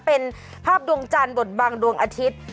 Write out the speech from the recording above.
เป็นภาพดวงจันทร์บทบังดวงอาทิตย์